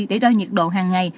để đo nhiệt độ hàng ngày